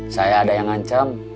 saya ada yang ngancam